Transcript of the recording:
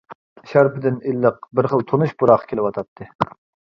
شارپىدىن ئىللىق، بىر خىل تونۇش پۇراق كېلىۋاتاتتى.